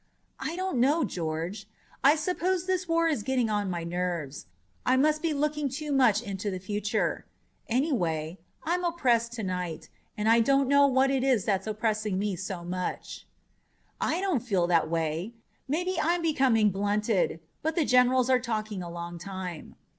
"I don't know, George. I suppose this war is getting on my nerves. I must be looking too much into the future. Anyway, I'm oppressed to night, and I don't know what it is that's oppressing me so much." "I don't feel that way. Maybe I'm becoming blunted. But the generals are talking a long time."